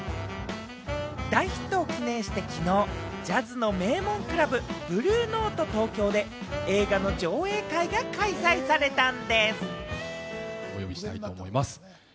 大ヒットを記念して昨日、ジャズの名門クラブ・ＢＬＵＥＮＯＴＥＴＯＫＹＯで映画の上映会が開催されたんです。